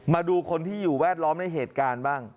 มาดูคนที่อยู่แวดล้อมในเหตุการณ์บ้าง